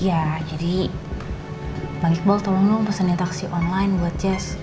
iya jadi bang iqbal tolong lo pesenin taksi online buat jess